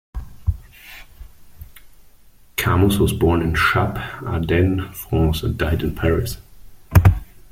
Camus was born in Chappes, Ardennes, France and died in Paris.